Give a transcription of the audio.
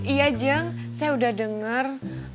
iya jeng saya udah denger